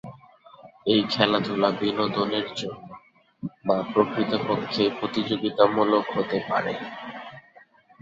এই খেলাধুলা বিনোদনের জন্য, বা প্রকৃতপক্ষে প্রতিযোগিতামূলক হতে পারে।